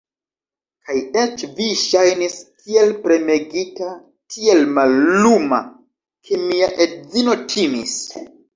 Kaj eĉ vi ŝajnis tiel premegita, tiel malluma, ke mia edzino timis.